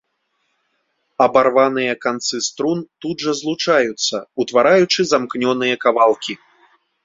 Абарваныя канцы струн тут жа злучаюцца, утвараючы замкнёныя кавалкі.